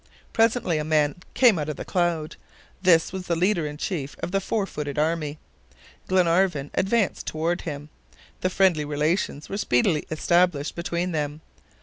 Presently a man came out of the cloud. This was the leader in chief of the four footed army. Glenarvan advanced toward him, and friendly relations were speedily established between them.